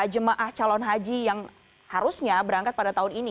jemaah calon haji yang harusnya berangkat pada tahun ini